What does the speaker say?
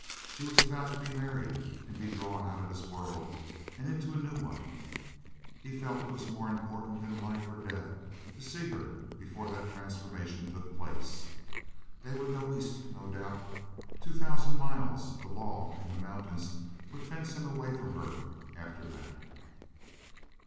She was about to be married and be drawn out of his world and into a new one. He felt it was more important than life or death to see her before that transformation took place. They would go East, no doubt. Two thousand miles, the law and the mountains would fence him away from her after that.